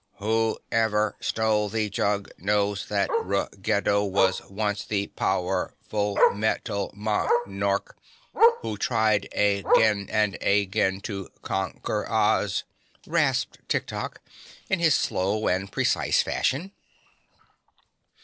"Who ev er stole the jug knows that Rug ge do was once the pow er ful me tal mon arch who tried a gain and a gain to con quer Oz," rasped Tik Tok in his slow and precise fashion.